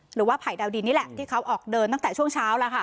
หรือว่าไผ่ดาวดินนี่แหละที่เขาออกเดินตั้งแต่ช่วงเช้าแล้วค่ะ